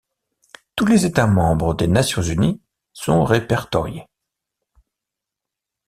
Tous les états membres des Nations Unies sont répertoriés.